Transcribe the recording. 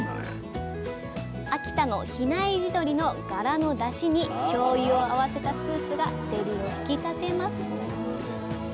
秋田の比内地鶏のガラのだしにしょうゆを合わせたスープがせりを引き立てます。